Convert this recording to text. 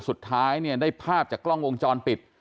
สุดท้ายเนี่ยได้ภาพจากกล้องวงจรปิด